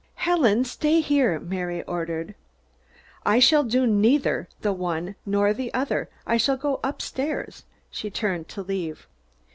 "Helen, stay here!" Mary ordered. "I shall do neither the one nor the other. I shall go up stairs." She turned to leave.